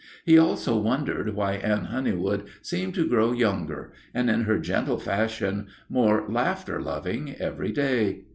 He also wondered why Anne Honeywood seemed to grow younger, and, in her gentle fashion, more laughter loving, every day.